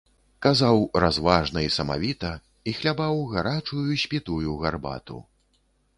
Казаў разважна і самавіта і хлябаў гарачую спітую гарбату.